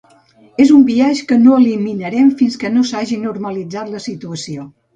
És un biaix que no eliminarem fins que no s’hagi normalitzat la situació.